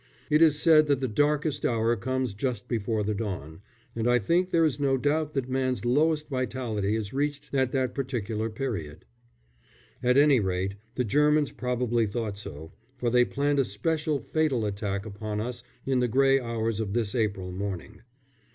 It is said that the darkest hour comes just before the dawn, and I think there is no doubt that man's lowest vitality is reached at that particular period. At any rate, the Germans probably thought so, for they planned a specially fatal attack upon us in the grey hours of this April morning.